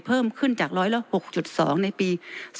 เพิ่มขึ้นจาก๑๐๖๒ในปี๒๕๖๒